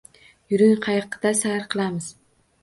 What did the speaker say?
Yuring, qayiqda sayr qilamiz.